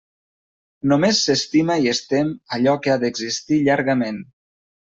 Només s'estima i es tem allò que ha d'existir llargament.